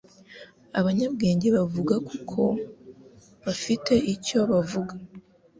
Abanyabwenge bavuga kuko bafite icyo bavuga